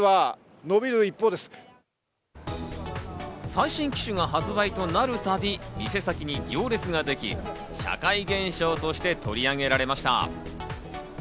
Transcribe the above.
最新機種が発売となる度、店先に行列ができ、社会現象として取り上げられました。